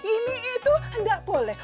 ini itu enggak boleh